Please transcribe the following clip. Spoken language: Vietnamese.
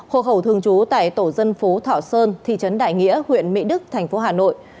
hộ khẩu thường trú tại tổ dân phố thọ sơn thị trấn đại nghĩa huyện mỹ đức thành phố hà nội